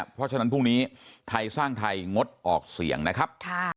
เพราะฉะนั้นพรุ่งนี้ไทยสร้างไทยงดออกเสียงนะครับ